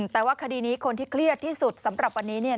แต่ว่าคดีนี้คนที่เครียดที่สุดสำหรับวันนี้เนี่ย